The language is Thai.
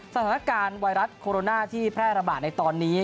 สถานการณ์ไวรัสโคโรนาที่แพร่ระบาดในตอนนี้